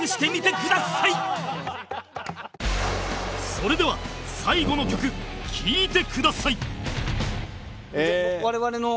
それでは最後の曲聴いてください